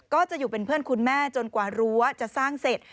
ก็จะอยู่เป็นเพื่อนคุณแม่จนกว่ารั้วจะสร้างเสร็จ